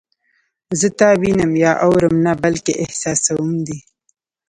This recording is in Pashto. زه تا وینم یا اورم نه بلکې احساسوم دې